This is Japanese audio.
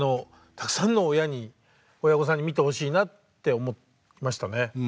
たくさんの親に親御さんに見てほしいなって思いましたね。